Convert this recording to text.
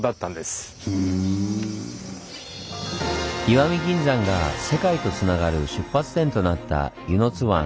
石見銀山が世界とつながる出発点となった温泉津湾。